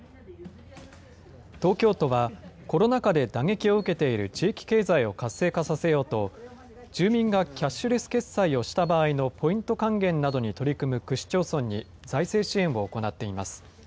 東京都は、コロナ禍で打撃を受けている地域経済を活性化させようと、住民がキャッシュレス決済をした場合のポイント還元などに取り組む区市町村に財政支援を行っています。